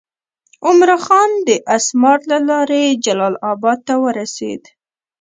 عمرا خان د اسمار له لارې جلال آباد ته ورسېد.